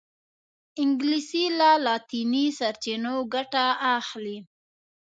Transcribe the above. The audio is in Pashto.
انګلیسي له لاطیني سرچینو ګټه اخلي